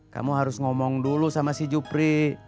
kamu harus ngomong dulu sama si jupri